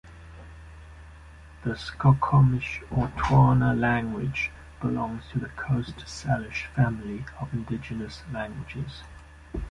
The Skokomish, or Twana language belongs to the Coast Salish family of indigenous languages.